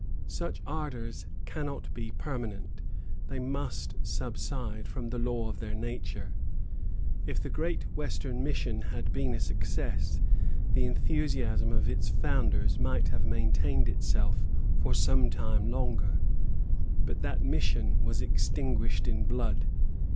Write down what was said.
Such ardors cannot be permanent; they must subside, from the law of their nature. If the great Western mission had been a success, the enthusiasm of its founders might have maintained itself for some time longer; but that mission was extinguished in blood.